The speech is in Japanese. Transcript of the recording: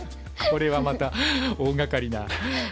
これはまた大がかりな。